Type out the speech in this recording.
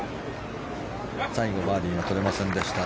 最後バーディーが取れませんでした。